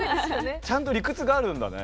ちゃんと理屈があるんだね。